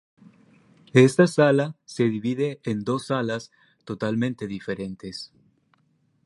Esta sala se divide en dos salas totalmente diferentes.